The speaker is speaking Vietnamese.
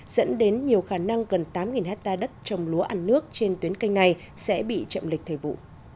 dẫn đến nhiều khả năng gần tám hectare đất trồng lúa ăn nước trên tuyến canh này sẽ bị chậm lịch thời vụ